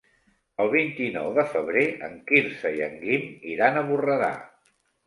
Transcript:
El vint-i-nou de febrer en Quirze i en Guim iran a Borredà.